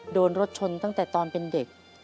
โดนรถชนตั้งแต่ตอนเป็นเด็ก